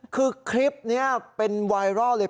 คือคลิปนี้เป็นไวรัลเลย